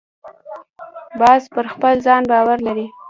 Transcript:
باز پر خپل ځان باور لري